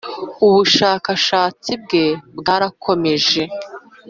Ubushakashatsi bwe bwarakomeje